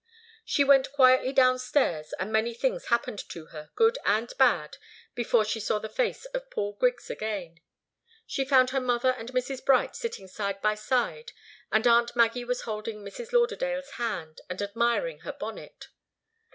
She went quietly downstairs, and many things happened to her, good and bad, before she saw the face of Paul Griggs again. She found her mother and Mrs. Bright sitting side by side, and aunt Maggie was holding Mrs. Lauderdale's hand, and admiring her bonnet.